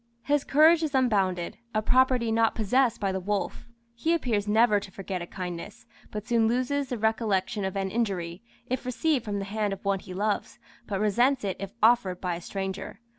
His courage is unbounded, a property not possessed by the wolf: he appears never to forget a kindness, but soon loses the recollection of an injury, if received from the hand of one he loves, but resents it if offered by a stranger.